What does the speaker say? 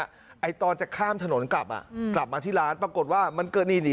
ตอนที่จะข้ามถนนกลับนะถึงราวปรากฏว่ามันเกิดนี่